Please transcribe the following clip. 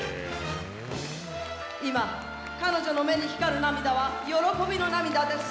今彼女の目に光る涙は喜びの涙です。